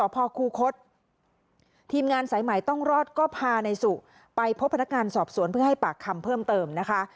ไปพบพนักงานสอบสวนเพื่อให้ปากคำเพิ่มเติมนะคะ